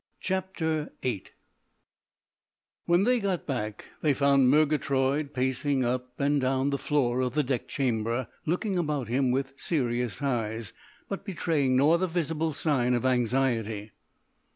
CHAPTER VIII When they got back they found Murgatroyd pacing up and down the floor of the deck chamber, looking about him with serious eyes, but betraying no other visible sign of anxiety.